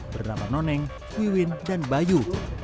bernama noneng wiwin dan bayu